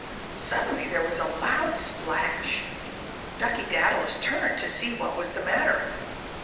Suddenly there was a loud splash. Duckey Daddles turned to see what was the matter.